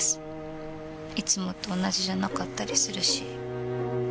いつもと同じじゃなかったりするし。